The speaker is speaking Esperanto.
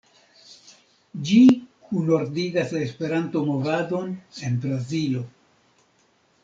Ĝi kunordigas la Esperanto-movadon en Brazilo.